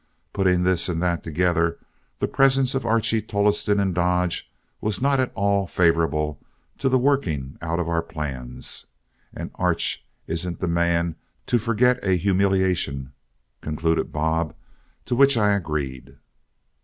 Putting this and that together, the presence of Archie Tolleston in Dodge was not at all favorable to the working out of our plans. "And Arch isn't the man to forget a humiliation," concluded Bob, to which I agreed.